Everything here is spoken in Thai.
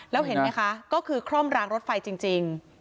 แล้วเห็นไหมคะก็คือคร่อมรางรถไฟจริง